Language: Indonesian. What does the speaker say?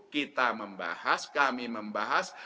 kita membahas kami membahas